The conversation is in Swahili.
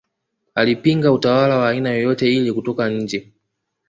Alipinga utawala wa aina yoyote ile kutoka nje